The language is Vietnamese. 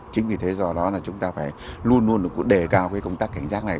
chính vì thế do đó là chúng ta phải luôn luôn đề cao công tác cảnh giác này